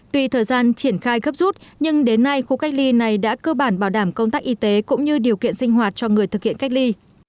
tuy thời gian triển khai gấp rút nhưng đến nay khu cách ly này đã cơ bản bảo đảm công tác y tế cũng như điều kiện sinh hoạt cho người thực hiện cách ly